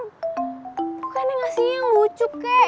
bukannya gak sih yang lucu kek